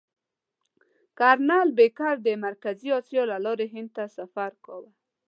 کرنل بېکر د مرکزي اسیا له لارې هند ته سفر کاوه.